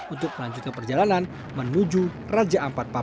untuk melanjutkan perjalanan menuju raja ampat papua